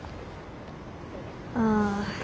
ああ